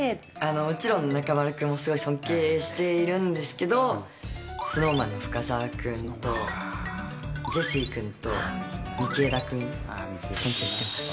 もちろん中丸君もすごい尊敬しているんですけど、ＳｎｏｗＭａｎの深澤君とジェシー君と道枝君、尊敬してます。